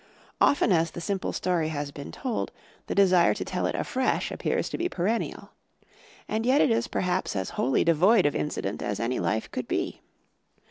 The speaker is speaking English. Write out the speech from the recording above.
Often as the simple story has been told, the desire to tell it afresh appears to be perennial. And yet it is perhaps as wholly devoid of incident as any life could be.